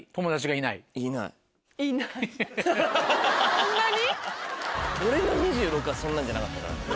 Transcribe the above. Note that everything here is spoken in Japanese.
そんなに？